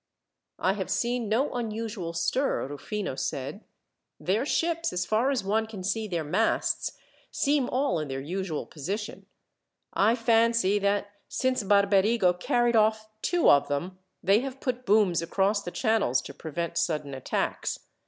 "I have seen no unusual stir," Rufino said. "Their ships, as far as one can see their masts, seem all in their usual position. I fancy that, since Barberigo carried off two of them, they have put booms across the channels to prevent sudden attacks.